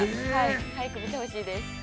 早く見てほしいです。